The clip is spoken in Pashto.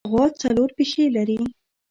غوا څلور پښې لري.